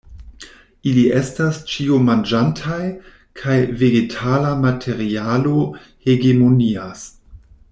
Ili estas ĉiomanĝantaj, kaj vegetala materialo hegemonias.